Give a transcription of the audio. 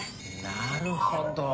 なるほど。